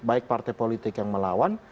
baik partai politik yang melawan